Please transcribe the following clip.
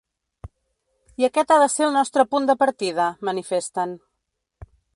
I aquest ha de ser el nostre punt de partida, manifesten.